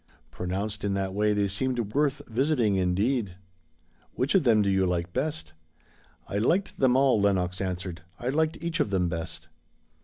Pronounced in that way they seemed worth visiting indeed. "Which of them do you like the best?" "I liked them all," Lenox answered. "I liked each of them best."